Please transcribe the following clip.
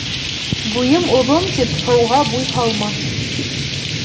Буйым оҙон, тип, һыуға буй һалма